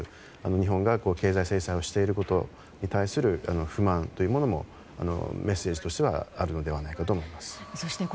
日本が経済制裁をしていることに対する不満というものもメッセージとしてはあるのではないかと思います。